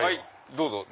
どうぞ。